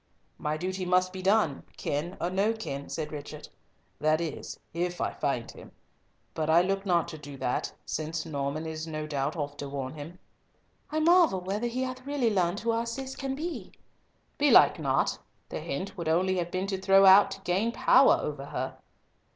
"My duty must be done, kin or no kin," said Richard, "that is if I find him; but I look not to do that, since Norman is no doubt off to warn him." "I marvel whether he hath really learnt who our Cis can be?" "Belike not! The hint would only have been thrown out to gain power over her."